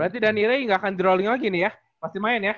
berarti danire nggak akan droling lagi nih ya pasti main ya